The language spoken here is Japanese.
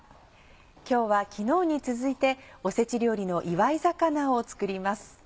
今日は昨日に続いておせち料理の祝い肴を作ります。